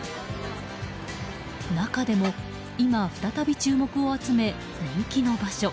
中でも今、再び注目を集め人気の場所。